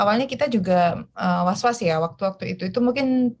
awalnya kita juga was was ya waktu waktu itu itu mungkin dua bulan yang lalu